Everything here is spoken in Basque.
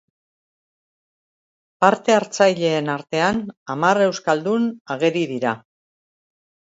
Parte hartzaileen artean hamar euskaldun ageri dira.